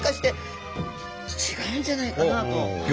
違うんじゃないかなと。